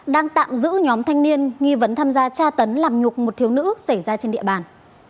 đang tạm giữ nhóm thanh niên nghi vấn tham gia tra tấn làm nhục một thiếu nữ xảy ra trên địa bàn